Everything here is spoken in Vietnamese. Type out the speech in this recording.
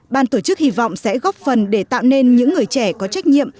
ban tổ chức hy vọng sẽ góp phần để tạo nên những người trẻ có trách nhiệm